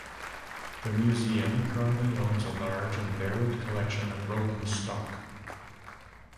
The museum currently owns a large and varied collection of rolling stock.